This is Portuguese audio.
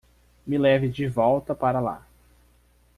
Me leve de volta para lá.